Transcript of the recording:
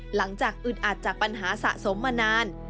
อึดอัดจากปัญหาสะสมมานาน